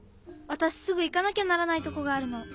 私すぐ行かなきゃならないとこがあるの。